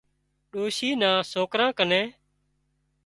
ڏوشي نان سوڪران ڪنين